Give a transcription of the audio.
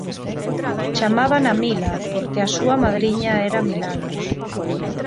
Chamábana Mila porque a súa madriña era Milagros.